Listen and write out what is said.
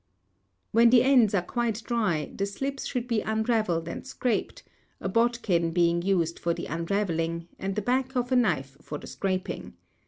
When the ends are quite dry the slips should be unravelled and scraped, a bodkin being used for the unravelling, and the back of a knife for the scraping.